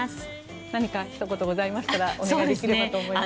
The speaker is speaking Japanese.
何かひと言ございましたらお願いできればと思います。